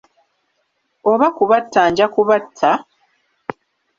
Oba kubatta nja kubatta?